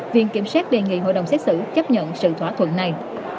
viện kiểm sát đề nghị hội đồng xét xử chấp nhận sự thỏa thuận này